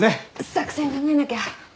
作戦考えなきゃ！